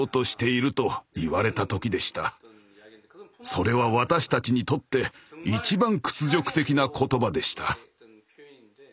それは私たちにとって一番屈辱的な言葉でした。